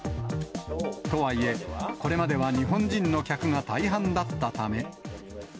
とはいえ、これまでは日本人の客が大半だったため。